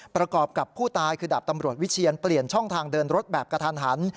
ประกอบกับผู้ตายคือดาบตำรวจวิเชียนเปลี่ยนช่องทางเดินรถแบบกระทันหัน